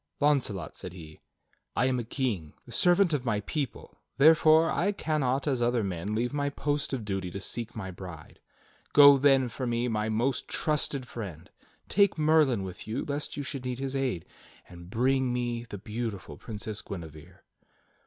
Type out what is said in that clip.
"Launcelot," said he, "I am a king, the servant of my people; therefore, I cannot as other men leave my post of duty to seek my bride. Go, then, for me, my most trusted friend; take Merlin with you lest you should need his aid, and bring me the beautiful Princess Guinevere."